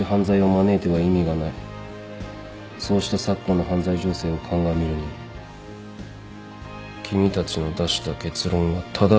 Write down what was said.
そうした昨今の犯罪情勢を鑑みるに君たちの出した結論は正しいとは思う。